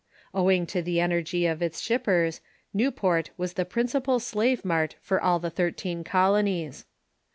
Owing to the energy of its ship pers, Newport was the principal slave mart for all the thirteen colonies.